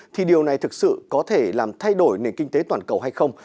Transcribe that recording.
thì điều này thực sự có thể làm thay đổi nền kinh tế toàn cầu hay không